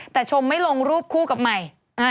แต่ชมไม่ลงรูปคู่กับใหม่